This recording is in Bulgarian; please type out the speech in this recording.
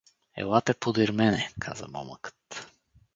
— Елате подир мене — каза момъкът.